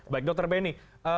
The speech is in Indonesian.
baik dr benny